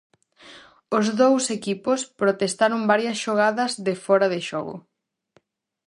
Os dous equipos protestaron varias xogadas de fóra de xogo.